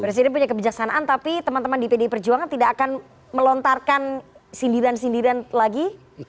presiden punya kebijaksanaan tapi teman teman di pdi perjuangan tidak akan melontarkan sindiran sindiran lagi